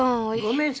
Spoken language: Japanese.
ごめん